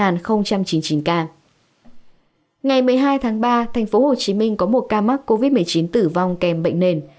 ngày một mươi hai tháng ba tp hcm có một ca mắc covid một mươi chín tử vong kèm bệnh nền